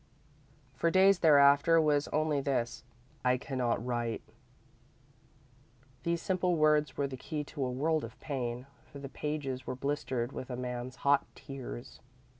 For days thereafter was only this: "I cannot write." These simple words were the key to a world of pain, for the pages were blistered with a man's hot tears.